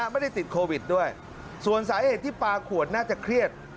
ไม่ได้ติดโควิดด้วยส่วนสาเหตุที่ปลาขวดน่าจะเครียด